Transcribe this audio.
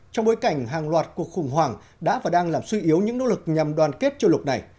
trong bối cảnh hàng loạt cuộc khủng hoảng đã và đang làm suy yếu những nỗ lực nhằm đoàn kết châu lục này